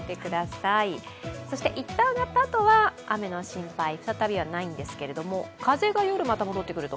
いったん上がったあとは雨の心配再びはないんですけれども、風が夜、また戻ってくると。